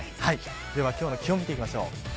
では今日の気温見ていきましょう。